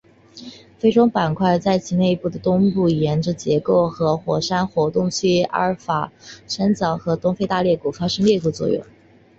非洲板块在其内部的东部沿着构造和火山活动区阿法尔三角和东非大裂谷发生裂谷作用。